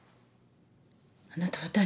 あなたは誰？